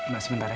mbak sebentar ya